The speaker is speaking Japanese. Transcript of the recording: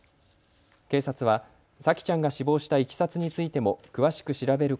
警察は沙季ちゃんが死亡したいきさつについても詳しく調べる